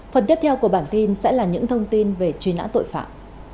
phần tiếp theo của bản tin sẽ là những thông tin về truy nã tội phạm